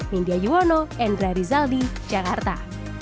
nindya yuwono endra rizaldi jakarta